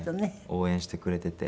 応援してくれていて。